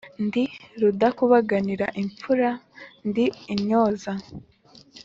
Ndi rudakubaganira imfura ndi intyoza